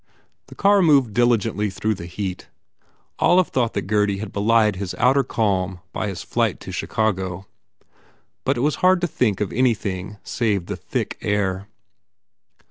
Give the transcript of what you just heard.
The car moved diligently through the heat. Olive thought that Gurdy had belied his outer calm by his flight to Chicago. But it was hard to think of anything save the thick air.